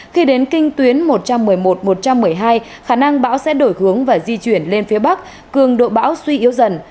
khi đến kinh tuyến một trăm một mươi một một trăm một mươi hai khả năng bão sẽ đổi hướng và di chuyển lên phía bắc cường độ bão suy yếu dần